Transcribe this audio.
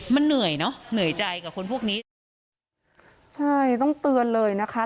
มันเหนื่อยเนอะเหนื่อยใจกับคนพวกนี้ใช่ต้องเตือนเลยนะคะ